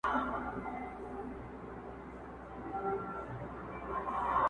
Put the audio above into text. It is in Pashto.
هغه چي ما به ورته ځان او ما ته ځان ويله -